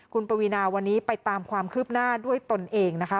คุณปวีนาวันนี้ไปตามความคืบหน้าด้วยตนเองนะคะ